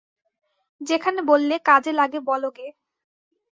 যেখানে বললে কাজে লাগে বলো গে।